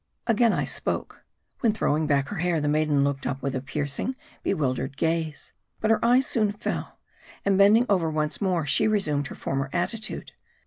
Again I spoke, when throw ing back her hair, the maiden looked up with a piercing, bewildered gaze. But her eyes soon fell, and bending over once more, she resumed her former attitude.